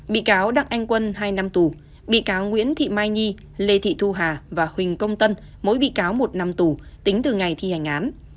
bị cáo đặng anh quân hai năm tù bị cáo nguyễn thị mai nhi lê thị thu hà và huỳnh công tân mỗi bị cáo một năm tù tính từ ngày thi hành án